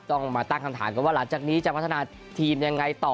ต้องมาตั้งคำถามกันว่าหลังจากนี้จะพัฒนาทีมยังไงต่อ